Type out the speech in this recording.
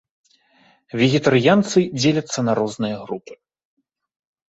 Вегетарыянцы дзеляцца на розныя групы.